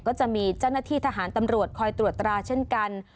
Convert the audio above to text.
ก็จะมีเจ้าหน้าที่ทหารตำรวจคอยตรวจตราเช่นกัน